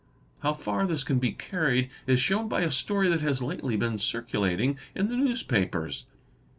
How far this can be carried is shewn by a story that has lately been circulating in the newspapers.